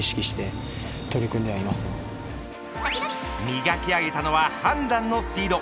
磨き上げたのは判断のスピード。